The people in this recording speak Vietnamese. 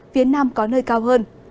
phía nam có nơi cao hơn